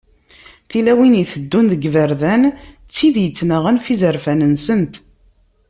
Tilawin iteddun deg yiberdan, d tid ittennaɣen ɣef yizerfan-nsent.